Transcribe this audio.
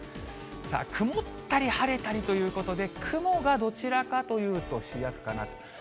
さあ、曇ったり晴れたりということで、雲がどちらかというと、主役かなと。